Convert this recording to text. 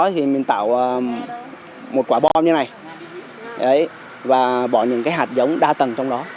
thì mình tạo một quả bom như này và bỏ những cái hạt giống đa tầng trong đó